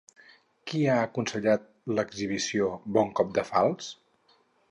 Qui ha aconsellat l'exhibició "Bon cop de falç"?